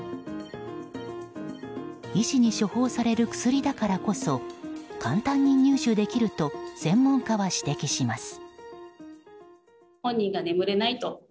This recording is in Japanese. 医師に処方される薬だからこそ簡単に入手できると専門家は指摘します。